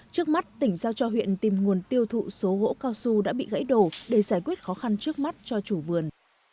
trước mắt tỉnh giao cho huyện tìm nguồn tiêu thụ số hộ cao su đã bị gãy đổ để giải quyết khó khăn trước mắt cho chủ vườn